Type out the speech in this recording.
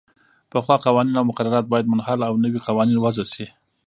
پخوا قوانین او مقررات باید منحل او نوي قوانین وضعه شي.